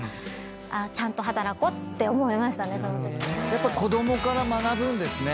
やっぱ子供から学ぶんですね